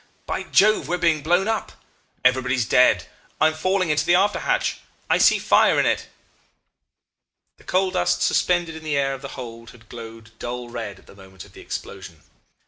By Jove! we are being blown up Everybody's dead I am falling into the after hatch I see fire in it.' "The coal dust suspended in the air of the hold had glowed dull red at the moment of the explosion.